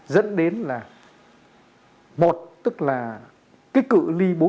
dẫn đến là một tức là cái cự li bố trí